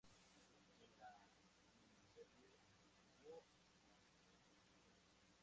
En la miniserie jugó Marine Lt.